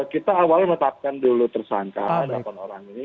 kita awalnya menetapkan dulu tersangka delapan orang ini